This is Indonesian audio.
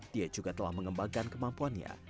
dia juga telah mengembangkan kemampuannya